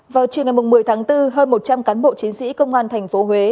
vào chiều ngày một mươi tháng bốn hơn một trăm linh cán bộ chiến sĩ công an thành phố huế